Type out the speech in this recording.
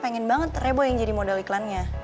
pengen banget rebo yang jadi modal iklannya